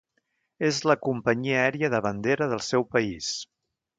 És la companyia aèria de bandera del seu país.